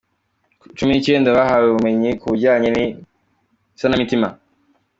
Cumi nikenda bahawe ubumenyi ku bujyanama n’isanamitima